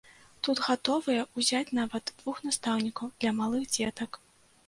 Тут гатовыя ўзяць нават двух настаўнікаў для малых дзетак.